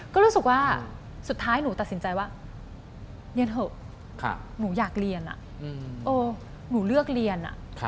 ก็รู้สึกว่าสุดท้ายหนูตัดสินใจว่าเรียนเถอะหนูอยากเรียนหนูเลือกเรียน